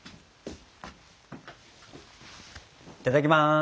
いただきます。